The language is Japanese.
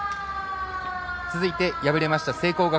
続いて敗れました聖光